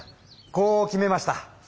こう決めました。